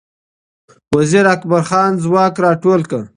وزیر اکبرخان ځواک را ټول کړ